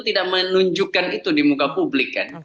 tidak menunjukkan itu di muka publik kan